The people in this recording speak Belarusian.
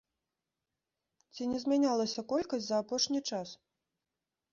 Ці не змянялася колькасць за апошні час?